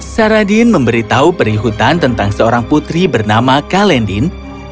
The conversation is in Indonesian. saradin memberitahu perihutan tentang seorang putri bernama kalendin